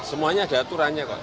semuanya ada aturannya kok